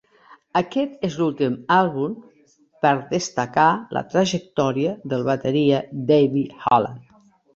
Aquest és l'últim àlbum per destacar la trajectòria del bateria Dave Holland.